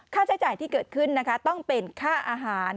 ใช้จ่ายที่เกิดขึ้นนะคะต้องเป็นค่าอาหาร